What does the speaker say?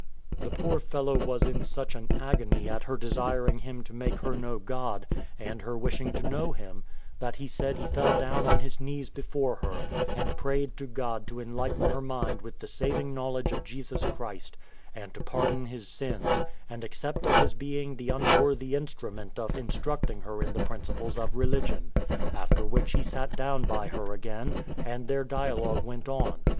[The poor fellow was in such an agony at her desiring him to make her know God, and her wishing to know Him, that he said he fell down on his knees before her, and prayed to God to enlighten her mind with the saving knowledge of Jesus Christ, and to pardon his sins, and accept of his being the unworthy instrument of instructing her in the principles of religion: after which he sat down by her again, and their dialogue went on.